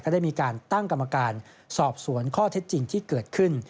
ได้มีการตั้งกรรมการสอบสวนข้อเท็จจริงที่เกิดขึ้น